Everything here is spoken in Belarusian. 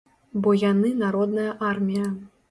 Бо яны народная армія.